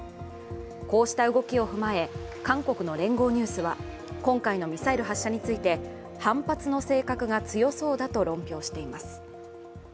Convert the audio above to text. こうした動きを踏まえ韓国の聯合ニュースは今回のミサイル発射について反発の性格が強そうだと論評しています。